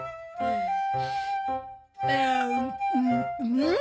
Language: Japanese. うん！